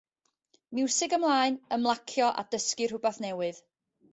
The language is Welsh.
Miwsig ymlaen, ymlacio a dysgu rhywbeth newydd.